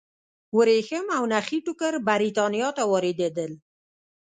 ورېښم او نخي ټوکر برېټانیا ته واردېدل.